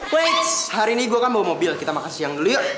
weights hari ini gue kan bawa mobil kita makan siang dulu yuk